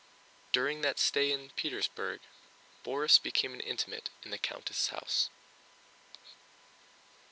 During that stay in Petersburg, Borís became an intimate in the countess' house.